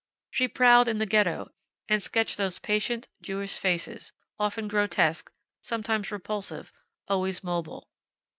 She prowled in the Ghetto, and sketched those patient Jewish faces, often grotesque, sometimes repulsive, always mobile.